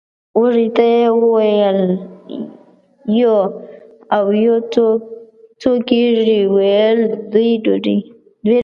وږي ته یې وویل یو او یو څو کېږي ویل دوې ډوډۍ!